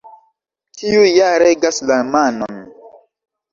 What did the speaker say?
Tiu ja regas la manon.